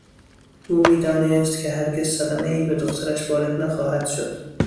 او میدانست که هرگز صدمهای به دخترش وارد نخواهد شد.